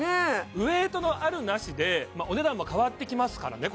ウエイトのあるなしでお値段も変わってきますからね